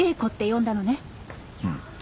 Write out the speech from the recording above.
うん。